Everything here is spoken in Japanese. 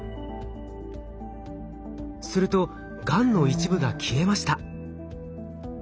するとがんの一部が消えました。